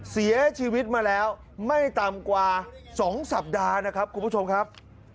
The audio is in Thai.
เสียชีวิตมาแล้วไม่ต่ำกว่า๒สัปดาห์นะครับคุณผู้ชมครับ